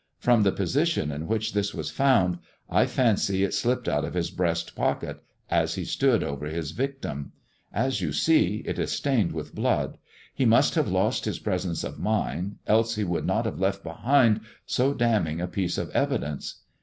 From the position in which this was found I fancy it slipped out of his breast pocket as he stood over his victim. As you see, it is stained with blood. He must have lost his presence of mind, else he would not have left behind so damning a piece of evidence.